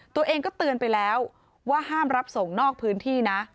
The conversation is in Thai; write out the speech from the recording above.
ตัวเองก็เตือนไปแล้วว่าห้ามรับส่งนอกพื้นที่นะ